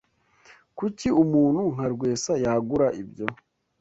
Kuki umuntu nka Rwesa yagura ibyo?